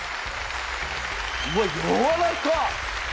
うわっやわらかっ！